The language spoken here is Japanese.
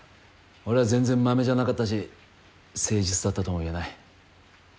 俺は全然まめじゃなかったし誠実だったとも言えない。